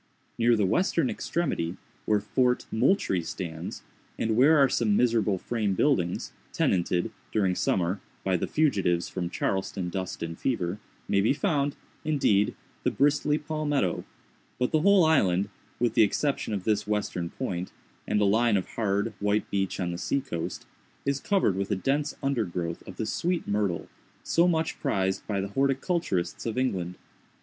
Near the western extremity, where Fort Moultrie stands, and where are some miserable frame buildings, tenanted, during summer, by the fugitives from Charleston dust and fever, may be found, indeed, the bristly palmetto; but the whole island, with the exception of this western point, and a line of hard, white beach on the seacoast, is covered with a dense undergrowth of the sweet myrtle, so much prized by the horticulturists of England.